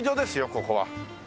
ここは。